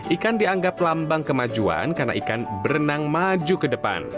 ikan dianggap lambang kemajuan karena ikan berenang maju ke depan